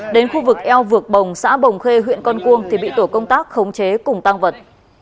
đến khu vực eo vực bồng xã bồng khê huyện con cuông thì bị tổ công tác khống chế cùng tăng vật